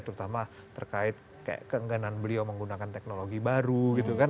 terutama terkait kayak keengganan beliau menggunakan teknologi baru gitu kan